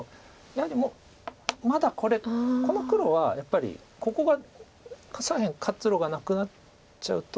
やはりまだこの黒はやっぱりここが左辺活路がなくなっちゃうと。